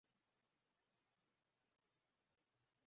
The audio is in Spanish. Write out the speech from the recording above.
Paraense "Emílio Goeldi", n.s., Bot.